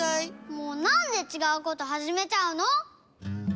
もうなんでちがうことはじめちゃうの？